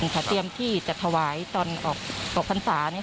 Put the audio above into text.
พี่จะมีเตรียมที่จะถวายตอนออกฝันสร้านนี่ค่ะ